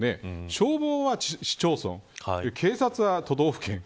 消防は市町村警察は都道府県。